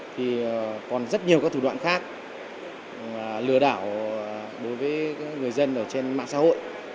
thì còn rất nhiều các thủ đoạn khác lừa đảo đối với người dân ở trên mạng xã hội